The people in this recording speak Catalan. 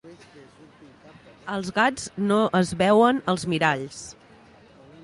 Els gats no es veuen als miralls.